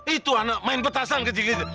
itu anak main petasan kecil gitu